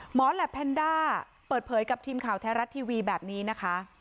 แหลปแพนด้าเปิดเผยกับทีมข่าวแท้รัฐทีวีแบบนี้นะคะ